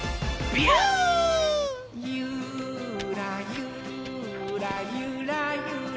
「ゆーらゆーらゆらゆらりー」